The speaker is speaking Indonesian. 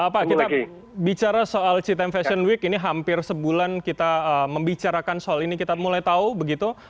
pak kita bicara soal citam fashion week ini hampir sebulan kita membicarakan soal ini kita mulai tahu begitu